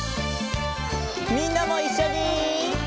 みんなもいっしょに！